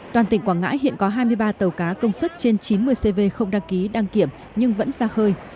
toàn tỉnh quảng ngãi hiện có hai mươi ba tàu cá công suất trên chín mươi cv không đăng ký đăng kiểm nhưng vẫn ra khơi